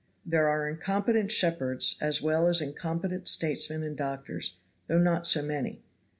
There are incompetent shepherds as well as incompetent statesmen and doctors, though not so many.